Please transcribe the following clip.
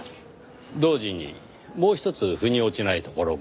同時にもう一つ腑に落ちないところが。